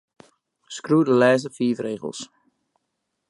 Skriuw de lêste fiif rigels.